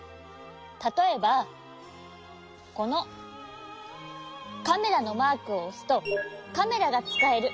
たとえばこのカメラのマークをおすとカメラがつかえる。